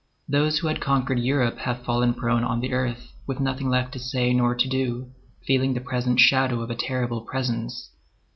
Those who had conquered Europe have fallen prone on the earth, with nothing left to say nor to do, feeling the present shadow of a terrible presence.